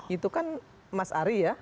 itu kan mas ari ya